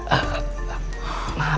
perusak hubungan orang